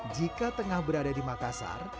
jika tengah berada di makassar